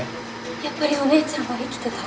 やっぱりお姉ちゃんは生きてた。